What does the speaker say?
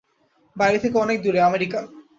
বাড়ি থেকে অনেক দূরে, আমেরিকান।